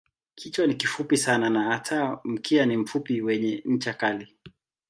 Kichwa ni kifupi sana na hata mkia ni mfupi wenye ncha kali.